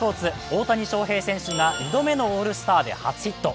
大谷翔平選手が２度目のオールスターで初ヒット。